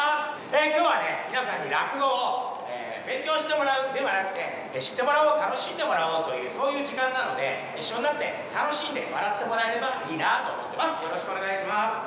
皆さんに落語を勉強してもらうではなくて知ってもらおう楽しんでもらおうというそういう時間なので一緒になって楽しんで笑ってもらえればいいなと思ってます